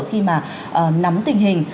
khi mà nắm tình hình